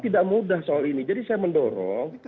tidak mudah soal ini jadi saya mendorong